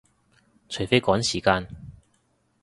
除非趕時間